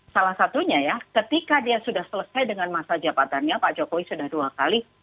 salah satunya ya ketika dia sudah selesai dengan masa jabatannya pak jokowi sudah dua kali